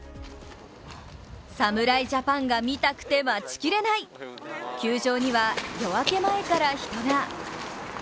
侍ジャパンが見たくて待ち切れない、球場には、夜明け前から人が。